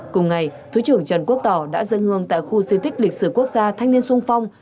cùng ngày thứ trưởng trần quốc tỏ đã dâng hương tại khu di tích lịch sử quốc gia thanh niên sung phong